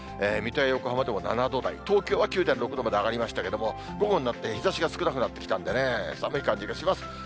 水戸や横浜でも７度台、東京は９．６度まで上がりましたけども、午後になって、日ざしが少なくなってきたんでね、寒い感じがします。